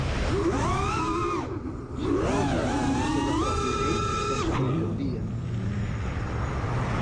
Si no els agrada la seva pròpia llei, doncs que la canvien.